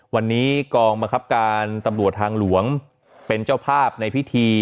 วันนี้กองบังคับการตำรวจทางหลวงเป็นเจ้าภาพในพิธี